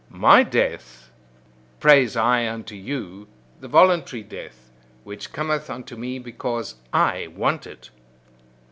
My death, praise I unto you, the voluntary death, which cometh unto me because I want it.